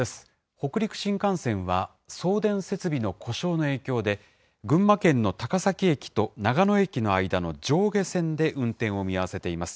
北陸新幹線は送電設備の故障の影響で、群馬県の高崎駅と長野駅の間の上下線で運転を見合わせています。